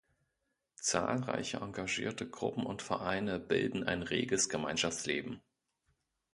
Zahlreiche engagierte Gruppen und Vereine bilden ein reges Gemeinschaftsleben.